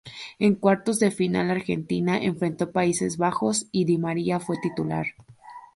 En cuartos de final Argentina enfrentó a Países Bajos y Di María fue titular.